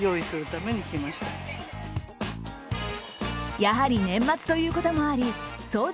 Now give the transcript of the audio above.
やはり年末ということもあり掃除